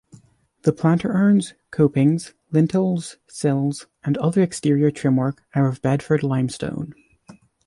The planter urns, copings, lintels, sills and other exterior trimwork are of Bedford limestone.